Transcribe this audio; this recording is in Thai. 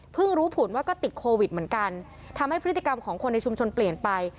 รู้ผลว่าก็ติดโควิดเหมือนกันทำให้พฤติกรรมของคนในชุมชนเปลี่ยนไป